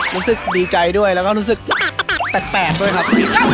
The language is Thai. รู้สึกดีใจด้วยแล้วก็รู้สึกแปลกด้วยครับ